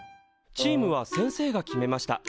チームは先生が決めました。